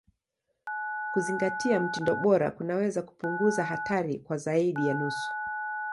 Kuzingatia mtindo bora kunaweza kupunguza hatari kwa zaidi ya nusu.